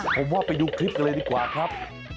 ผมว่าไปดูคลิปกันเลยดีกว่าครับ